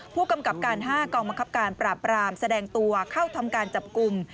ผู้กำกับการ๕กองบังคับการปราบรามแสดงตัวเข้าทำการจับกลุ่ม